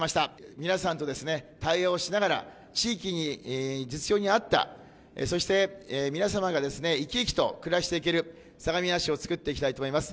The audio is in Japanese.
皆さんと対話をしながら地域に実情に合った、そして皆様が生き生きと暮らしていける相模原市を作っていきたいと思います。